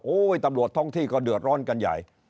ตำรวจท้องที่ก็เดือดร้อนกันใหญ่